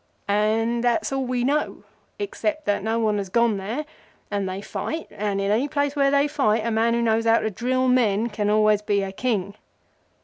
"And that's all we know, except that no one has gone there, and they fight, and in any place where they fight a man who knows how to drill men can always be a King.